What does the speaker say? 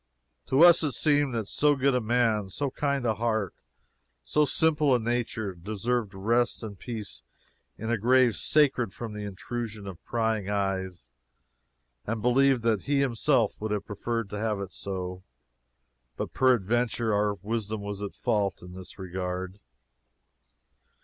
To us it seemed that so good a man, so kind a heart, so simple a nature, deserved rest and peace in a grave sacred from the intrusion of prying eyes, and believed that he himself would have preferred to have it so, but peradventure our wisdom was at fault in this regard.